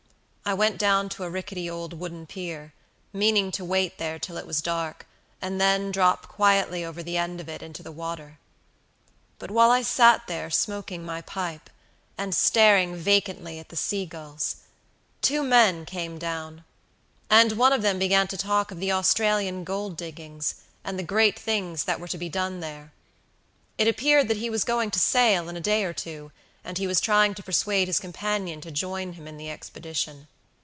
I went down to a rickety old wooden pier, meaning to wait there till it was dark, and then drop quietly over the end of it into the water; but while I sat there smoking my pipe, and staring vacantly at the sea gulls, two men came down, and one of them began to talk of the Australian gold diggings, and the great things that were to be done there. It appeared that he was going to sail in a day or two, and he was trying to persuade his companion to join him in the expedition.